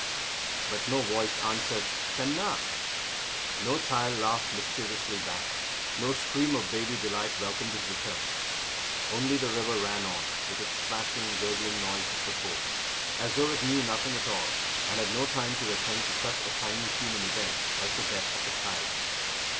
But no voice answered "Chan na." No child laughed mischievously back; no scream of baby delight welcomed his return. Only the river ran on, with its splashing, gurgling noise as before, as though it knew nothing at all, and had no time to attend to such a tiny human event as the death of a child.